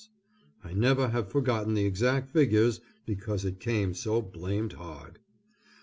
I never have forgotten the exact figures, because it came so blamed hard.